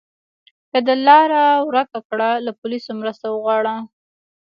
که د لاره ورکه کړه، له پولیسو مرسته وغواړه.